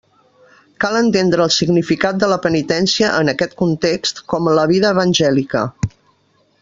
Cal entendre el significat de la penitència, en aquest context, com la vida evangèlica.